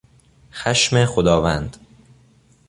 خشم خداوند